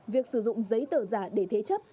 việc sử dụng giấy tờ giả để thế chấp